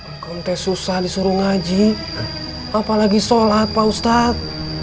akun teh susah disuruh ngaji apalagi sholat pak ustadz